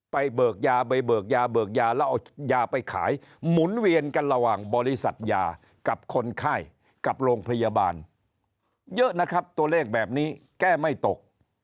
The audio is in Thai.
เบิกยาไปเบิกยาเบิกยาแล้วเอายาไปขายหมุนเวียนกันระหว่างบริษัทยากับคนไข้กับโรงพยาบาลเยอะนะครับตัวเลขแบบนี้แก้ไม่ตก